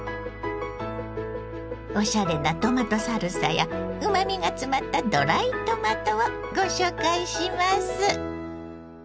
おしゃれなトマトサルサやうまみが詰まったドライトマトをご紹介します。